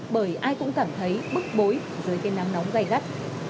bởi ai cũng cảm thấy bức bối dưới cái nắng nóng gây gắt